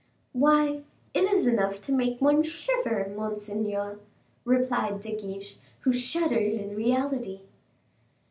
"Why, it is enough to make one shiver, monseigneur," replied De Guiche, who shuddered in reality.